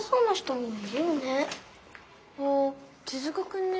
あっ手塚くんね。